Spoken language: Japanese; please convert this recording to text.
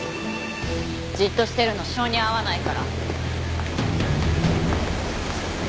じっとしてるの性に合わないから。